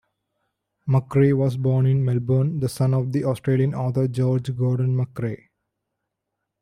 McCrae was born in Melbourne, the son of the Australian author George Gordon McCrae.